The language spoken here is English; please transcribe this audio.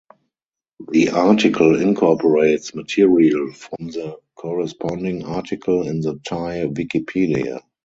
The article incorporates material from the corresponding article in the Thai wikipedia.